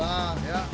udah lah ya